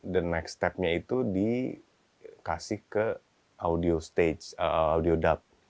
the next stepnya itu dikasih ke audio stage audio dub